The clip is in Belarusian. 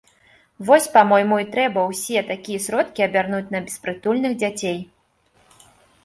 Вось, па-мойму, і трэба ўсе такія сродкі абярнуць на беспрытульных дзяцей.